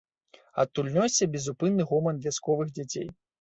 Адтуль нёсся безупынны гоман вясковых дзяцей.